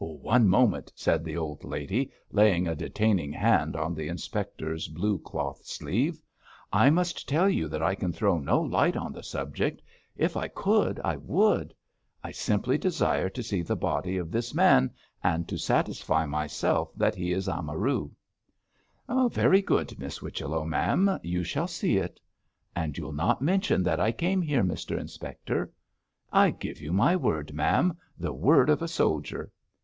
'One moment,' said the old lady, laying a detaining hand on the inspector's blue cloth sleeve. 'I must tell you that I can throw no light on the subject; if I could I would. I simply desire to see the body of this man and to satisfy myself that he is Amaru.' 'Very good, Miss Whichello, ma'am; you shall see it.' 'And you'll not mention that I came here, Mr Inspector.' 'I give you my word, ma'am the word of a soldier.